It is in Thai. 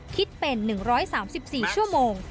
คิดเป็น๑๓๔ชั่วโมง